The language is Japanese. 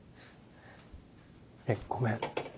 えっごめん